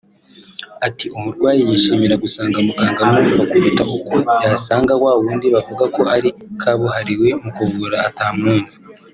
Ati “Umurwayi yishimira gusanga umuganga umwumva kuruta uko yasanga wa wundi bavuga ko ari kabuhariwe mu kuvura utamwumva